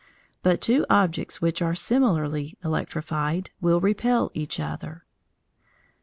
But two objects which are similarly electrified will repel each other.